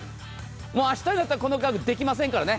明日になったらこの額ではできませんからね。